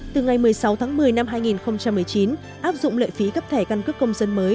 từ ngày một mươi sáu tháng một mươi năm hai nghìn một mươi chín áp dụng lệ phí cấp thẻ căn cước công dân mới